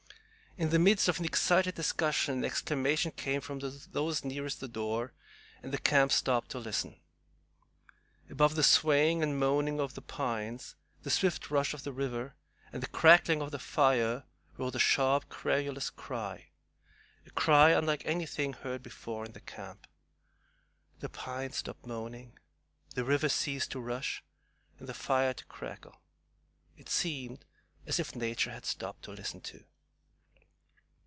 In the midst of an excited discussion an exclamation came from those nearest the door, and the camp stopped to listen. Above the swaying and moaning of the pines, the swift rush of the river, and the crackling of the fire rose a sharp, querulous cry, a cry unlike anything heard before in the camp. The pines stopped moaning, the river ceased to rush, and the fire to crackle. It seemed as if Nature had stopped to listen too.